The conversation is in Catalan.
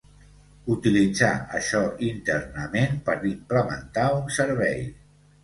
Utilitzar això internament per implementar un servei.